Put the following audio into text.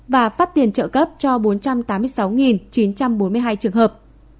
và phát tiền trợ cấp cho bốn trăm tám mươi sáu chín trăm bốn mươi hai trường hợp